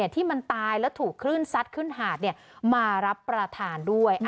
ที่มันตายแล้วถูกคลื่นซัดขึ้นหาดมารับประทานด้วย